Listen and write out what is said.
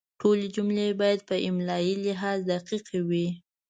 ټولې جملې باید په املایي لحاظ دقیقې وي.